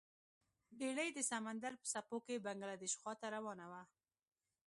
بیړۍ د سمندر په څپو کې بنګلادیش خواته روانه وه.